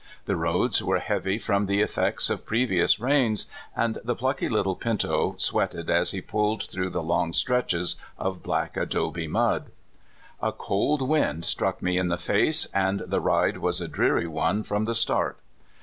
The roads were heavy from the effects of previous rains, and the plucky little pinto sweated as he pulled through the long stretches of black adobe mud. A cold wind struck me in the face, and the ride was a dreary one from the start.